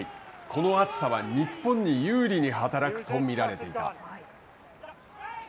この暑さは日本に有利に働くと見られていた。